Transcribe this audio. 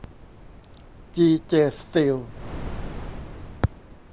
จี เจ สตีล